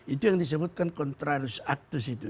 itu yang disebutkan contrarus actus itu